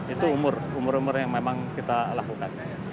itu umur umur yang memang kita lakukan